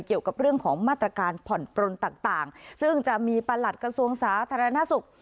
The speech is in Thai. เกี่ยวกับเรื่องของมาตรการผ่อนปลนต่างซึ่งจะมีประหลัดกระทรวงสาธารณสุข